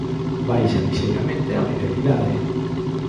Baixa lixeiramente a media de idade.